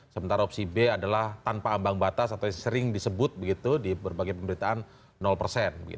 sementara opsi b adalah tanpa ambang batas atau sering disebut begitu di berbagai pemberitaan persen